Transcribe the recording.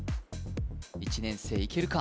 １年生いけるか？